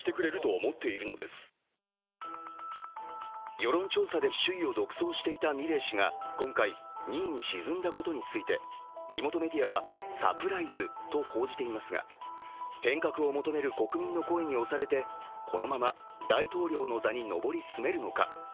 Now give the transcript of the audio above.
世論調査で首位を独走していたミレイ氏が今回、２位に沈んだことについて地元メディアはサプライズと報じていますが変革を求める国民の声に押されてこのまま大統領の座に上り詰めるのか。